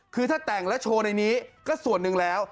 คือถ้าแต่งแล้วโชว์ในนี้ก็ส่วนหนึ่งแล้ว